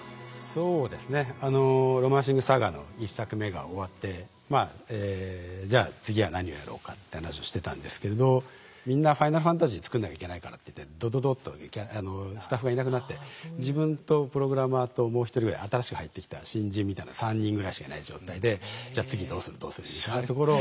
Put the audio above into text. そうですね「ロマンシングサガ」の１作目が終わってまあじゃあ次は何をやろうかって話をしてたんですけれどみんな「ファイナルファンタジー」作んなきゃいけないからってドドドッとスタッフがいなくなって自分とプログラマーともう一人ぐらい新しく入ってきた新人みたいな３人ぐらいしかいない状態でじゃ次どうするどうするみたいなところを。